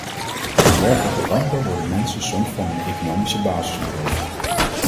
Door dergelijke rampen worden mensen soms van hun economische basis beroofd.